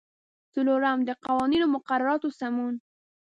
څلورم: د قوانینو او مقرراتو سمون.